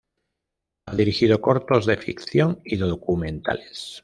Ha dirigido cortos de ficción y documentales.